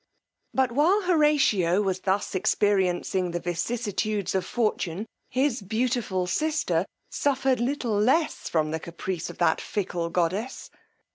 But while Horatio was thus experiencing the vicissitudes of fortune, his beautiful sister suffered little less from the caprice of that fickle goddess.